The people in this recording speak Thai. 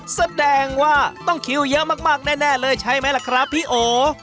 แสดงว่าต้องคิวเยอะมากแน่เลยใช่ไหมล่ะครับพี่โอ